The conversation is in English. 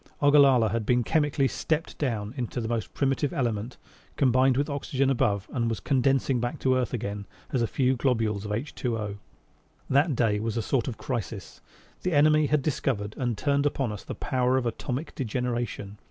Ogallala had been chemically "stepped down" into the most primitive element, combined with the oxygen above and was condensing back to earth again as a few globules of HO. That day was a sort of crisis; the enemy had discovered and turned upon us the power of atomic degeneration!